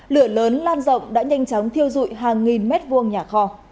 lửa lớn lan rộng đã nhanh chóng thiêu dụi hàng nghìn mét vuông nhà kho